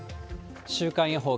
週間予報。